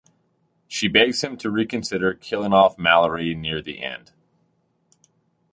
She begs him to reconsider killing off Mallory near the end.